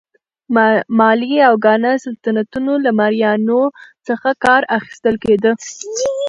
مالي او ګانا سلطنتونه له مریانو څخه کار اخیستل کېده.